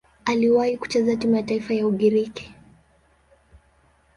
Aliwahi kucheza timu ya taifa ya Ugiriki.